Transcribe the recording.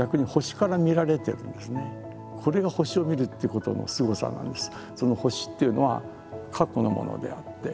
これが星をみるっていうことのすごさなんです。